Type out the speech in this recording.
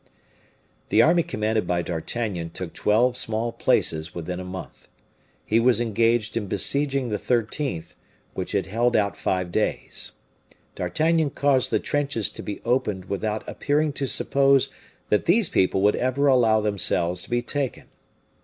The army commanded by D'Artagnan took twelve small places within a month. He was engaged in besieging the thirteenth, which had held out five days. D'Artagnan caused the trenches to be opened without appearing to suppose that these people would ever allow themselves to be taken.